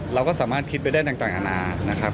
เราก็สามารถคิดไปได้ต่างอาณานะครับ